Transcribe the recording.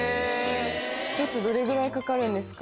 １つどれぐらいかかるんですか？